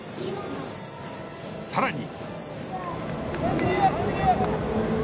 さらに。